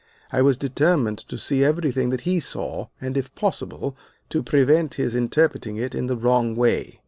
I was determined to see everything that he saw, and, if possible, to prevent his interpreting it in the wrong way.